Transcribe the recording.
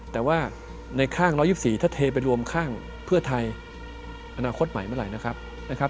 แต่ว่าในข้าง๑๒๔ถ้าเทไปรวมข้างเพื่อไทยอนาคตใหม่เมื่อไหร่นะครับ